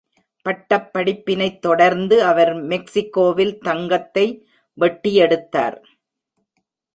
பட்டப்படிப்பினைத் தொடர்ந்து அவர் மெக்சிகோவில் தங்கத்தை வெட்டியெடுத்தார்.